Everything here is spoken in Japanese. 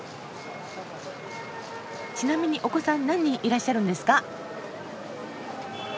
ちなみにお子さん何人いらっしゃるんですか？